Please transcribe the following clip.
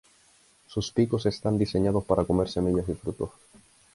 Sus picos están diseñados para comer semillas y frutos.